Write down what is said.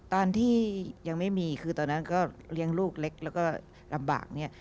ตอนที่ยังไม่มีคือตอนนั้นก็เลี้ยงลูกเล็กแล้วก็ลำบากเนี่ย